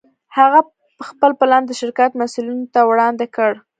هغه خپل پلان د شرکت مسوولينو ته وړاندې کړ.